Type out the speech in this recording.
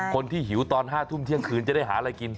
หิวตอน๕ทุ่มเที่ยงคืนจะได้หาอะไรกิน